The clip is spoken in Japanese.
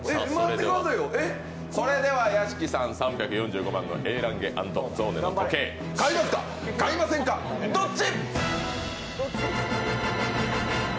それでは屋敷さん、３４５万円のＡ．ランゲ＆ゾーネの時計、買いますか、買いませんか、どっち？